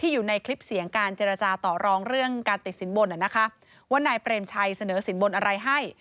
อยู่ในคลิปเสียงการเจรจาต่อรองเรื่องการติดสินบนว่านายเปรมชัยเสนอสินบนอะไรให้